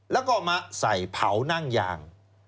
แล้วก็มาใส่เผานั่งยาง